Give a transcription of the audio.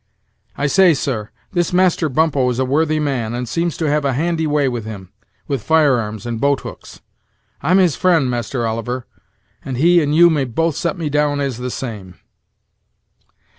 I say, sir, this Master Bumppo is a worthy man, and seems to have a handy way with him, with firearms and boat hooks. I'm his friend, Master Oliver, and he and you may both set me down as the same."